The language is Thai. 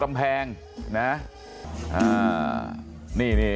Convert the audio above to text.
มานั่งดูหมอลำด้วย